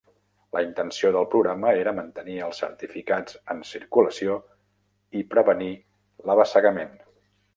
La intenció del programa era mantenir els certificats en circulació i prevenir l'abassegament.